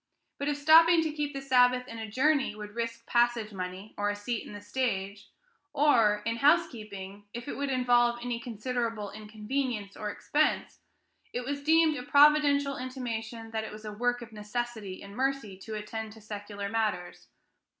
But if stopping to keep the Sabbath in a journey would risk passage money or a seat in the stage, or, in housekeeping, if it would involve any considerable inconvenience or expense, it was deemed a providential intimation that it was "a work of necessity and mercy" to attend to secular matters.